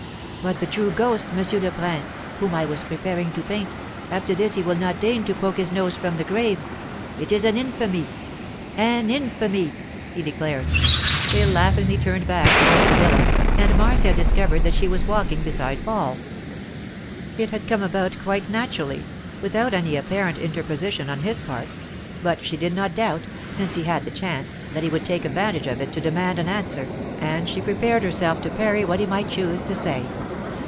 'But the true ghost, Monsieur le Prince, whom I was preparing to paint; after this he will not deign to poke his nose from the grave. It is an infamy! An infamy!' he declared. They laughingly turned back toward the villa, and Marcia discovered that she was walking beside Paul. It had come about quite naturally, without any apparent interposition on his part; but she did not doubt, since he had the chance, that he would take advantage of it to demand an answer, and she prepared herself to parry what he might choose to say.